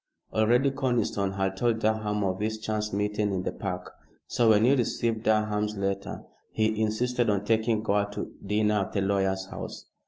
Already Conniston had told Durham of his chance meeting in the Park, so when he received Durham's letter he insisted on taking Gore to dinner at the lawyer's house.